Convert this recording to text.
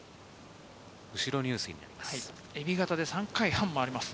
後ろ入水になります。